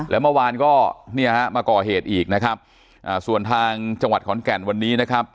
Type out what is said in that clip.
แล้วเมื่อวานก็เนี่ยฮะมาก่อเหตุอีกนะครับส่วนทางจังหวัดขอนแก่นวันนี้นะครับ